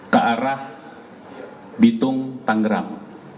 ke arah bitung tangerang